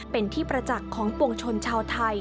เป็นที่ประจักษ์ของปวงชนชาวไทย